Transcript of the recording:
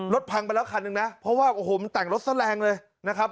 รถแพงไปละครั้งนึงนะเพราะว่าโอ้โหมันแต่งรถสะแรงเลยนะครับ